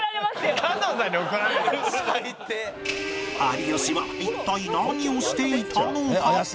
有吉は一体何をしていたのか？